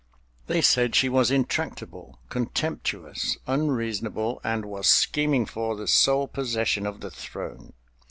They said she was intractable, contemptuous, unreasonable, and was scheming for the sole possession of the throne.